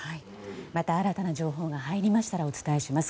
また新たな情報が入りましたらお伝えします。